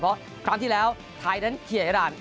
เพราะครั้งที่แล้วไทยดั้งเขียนอิหรวัล